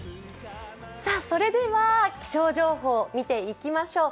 それでは気象情報を見ていきましょう。